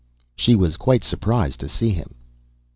She was quite surprised to see him.